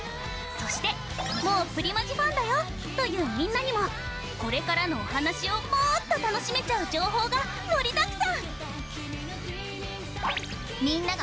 そしてもうプリマジファンだよというみんなにもこれからのお話をもっと楽しめちゃう情報が盛りだくさん！